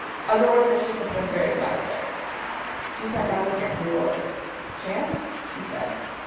Otherwise I should have been very glad of it." She sat down again, bewildered. "Chance?" she said.